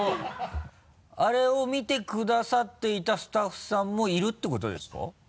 あれを見てくださっていたスタッフさんもいるってことですか？